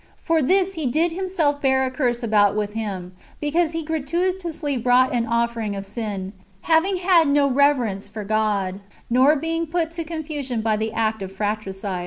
And for this he did himself bear a curse about with him, because he gratuitously brought an offering of sin, having had no reverence for God, nor being put to confusion by the act of fratricide.'"